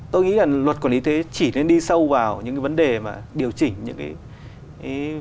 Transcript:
tôi nghĩ là luật quản lý thuế chỉ nên đi sâu vào những cái vấn đề mà điều chỉnh những cái